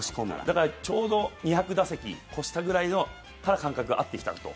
だから、ちょうど２００打席超したぐらいから感覚が合ってきたと。